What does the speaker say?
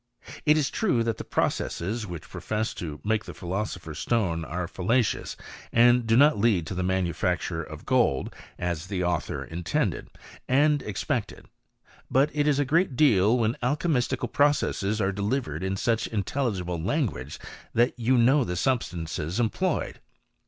It is true that the processes which profess to make the philo sopher's stone, are fallacious, and do not lead to the manufacture of gold, as the author intended, and ex< pected: but it is a great deal when alchymistical processes are delivered in such intelligible languagis that you know the substances employed.